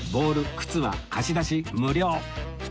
靴は貸し出し無料